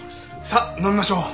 さあ飲みましょう。